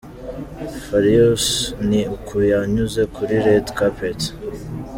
Farious ni uku yanyuze kuri Red Carpet.